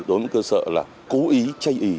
đối với cơ sở là cố ý chạy ị